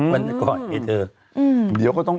มันก็เห็นเธอ